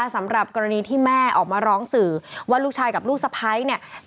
สำหรับกรณีที่แม่ออกมาร้องสื่อว่าลูกชายกับลูกสะพ้ายเนี่ย